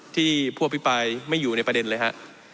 ที่ผู้อภิปรายไม่อยู่ในประเด็นเลยฮะ